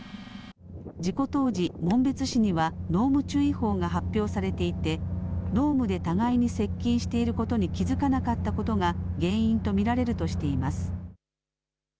事故当時、紋別市には濃霧注意報が発表されていて濃霧で互いに接近していることに気づかなかったことが原因と見られるとしています。